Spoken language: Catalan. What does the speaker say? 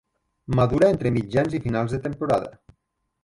Madura entre mitjans i finals de temporada.